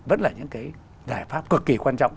vẫn là những cái giải pháp cực kỳ quan trọng